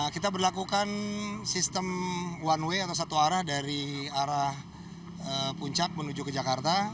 kita berlakukan sistem one way atau satu arah dari arah puncak menuju ke jakarta